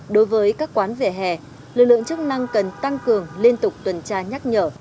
đối với các quán vỉa hè lực lượng chức năng cần tăng cường liên tục tuần tra nhắc nhở